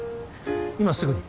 今すぐに？